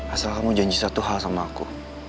asal kamu janji satu hal sama aku